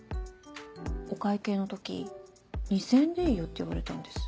お会計の時「２０００円でいいよ」って言われたんです。